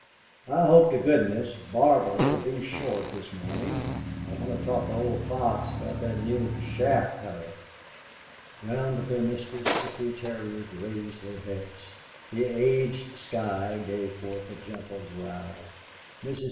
"I hope to goodness Barter'll be short this morning. I want to talk to old Fox about that new chaff cutter." Round their mistress the three terriers raised their heads; the aged Skye gave forth a gentle growl. Mrs.